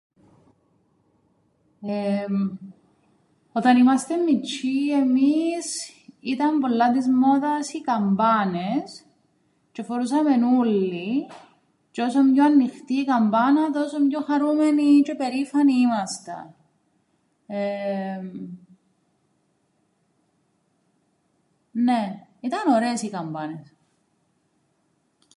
Εεεμ, όταν ήμαστεν μιτσ̆οί εμείς ήταν πολλά της μόδας οι καμπάνες τžι εφορούσαμεν ούλλοι, τžι όσον πιο ανοιχτή η καμπάνα τόσον πιο χαρούμενοι τžαι περήφανοι ήμασταν. Εεεμ, νναι, ήταν ωραίες οι καμπάνες.